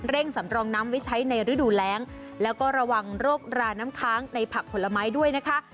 สำรองน้ำไว้ใช้ในฤดูแรงแล้วก็ระวังโรคราน้ำค้างในผักผลไม้ด้วยนะคะ